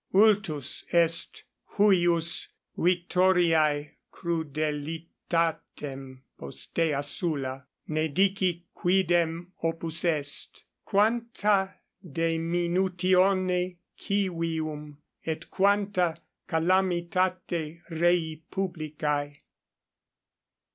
Ultus est huius victoriae crudelitatem postea Sulla, ne dici quidem opus est, quanta deminutione civium et quanta calamitate rei publicae.